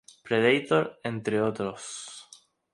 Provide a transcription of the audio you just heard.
Predator", entre otros.